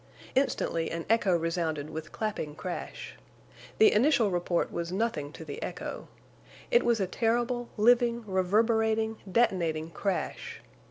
Instantly an echo resounded with clapping crash. The initial report was nothing to the echo. It was a terrible, living, reverberating, detonating crash.